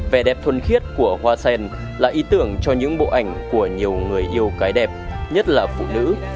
vẻ đẹp thuần khiết của hoa sen là ý tưởng cho những bộ ảnh của nhiều người yêu cái đẹp nhất là phụ nữ